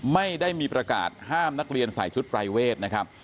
ไม่ได้มีประกาศห้ามนักเรียนใส่ชุดปรายเวทนะครับ